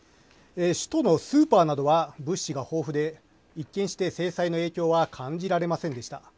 首都のスーパーなどは物資が豊富で一見して制裁の影響は感じられませんでした。